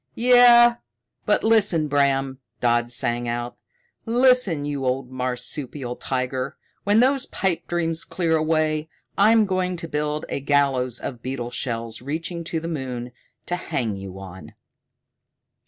"Yeah, but listen, Bram," Dodd sang out. "Listen, you old marsupial tiger. When those pipe dreams clear away, I'm going to build a gallows of beetle shells reaching to the moon, to hang you on!"